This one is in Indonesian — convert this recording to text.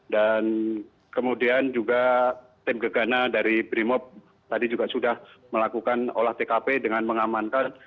dan kemudian juga tim gegana dari brimop tadi juga sudah melakukan olah tkp dengan mengamankan